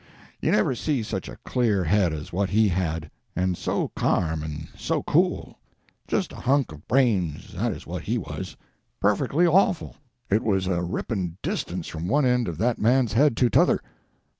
You never see such a clear head as what he had and so carm and so cool. Just a hunk of brains that is what he was. Perfectly awful. It was a ripping distance from one end of that man's head to t'other.